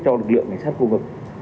cho lực lượng ngành sát khu vực